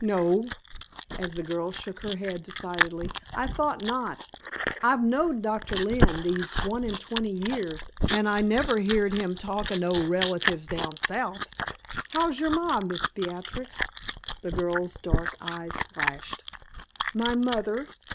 No," (as the girl shook her head decidedly) "I thought not. I've knowed Doctor Lynne these one and twenty years, and I never heerd him talk o' no relatives down South. How's your ma, Miss Beatrix?" The girl's dark eyes flashed. "My mother?"